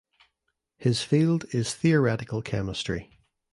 His field is theoretical chemistry.